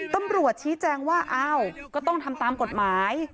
ตำรวจชี้แจงว่าอ้าวก็ต้องทำตามกฎหมาย